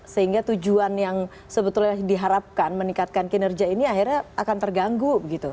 sehingga tujuan yang sebetulnya diharapkan meningkatkan kinerja ini akhirnya akan terganggu